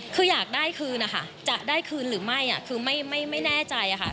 คืออยากได้คืนนะคะจะได้คืนหรือไม่คือไม่แน่ใจค่ะ